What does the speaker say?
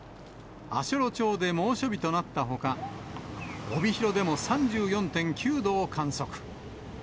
足寄町で猛暑日となったほか、帯広でも３４．９度を観測。